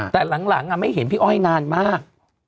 แต่หลังไม่เห็นพี่อ้อยนานมาก